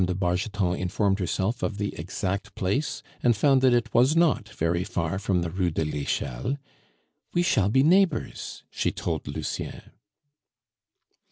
de Bargeton informed herself of the exact place, and found that it was not very far from the Rue de l'Echelle. "We shall be neighbors," she told Lucien.